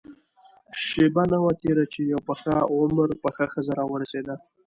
شېبه نه وه تېره چې يوه په عمر پخه ښځه راورسېده.